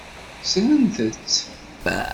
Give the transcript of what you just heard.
Ssnen-tt.